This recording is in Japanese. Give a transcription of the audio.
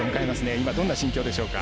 今、どんな心境でしょうか。